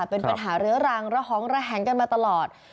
เป็นปัญหาเรื้อรังระหองระแหงกันมาตลอด